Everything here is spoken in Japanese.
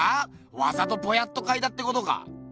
わざとぼやっと描いたってことか。